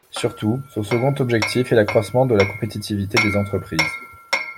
Surtout, son second objectif est l’accroissement de la compétitivité des entreprises.